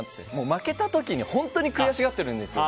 負けた時に本当に悔しがってるんですよ